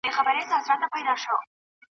نه به تر لاندي تش کړو جامونه .